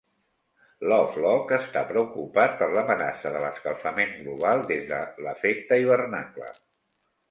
Lovelock està preocupat per l'amenaça de l'escalfament global des de l'efecte hivernacle.